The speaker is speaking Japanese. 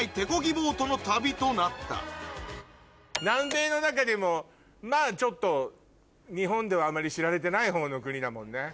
ボートの旅となった南米の中でもまぁちょっと日本ではあまり知られてない方の国だもんね。